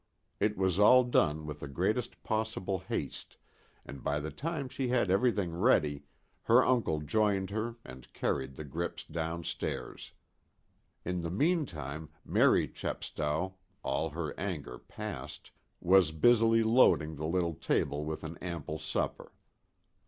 It was all done with the greatest possible haste, and by the time she had everything ready, her uncle joined her and carried the grips downstairs. In the meantime Mary Chepstow, all her anger passed, was busily loading the little table with an ample supper.